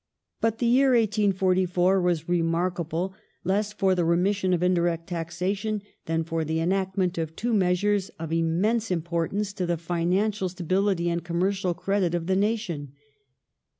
^ But the year 1844 was remarkable less for the remission of indirect taxation than for the enactment of two measures of immense importance to the financial stability and commercial credit of the nation.